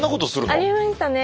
ありましたね。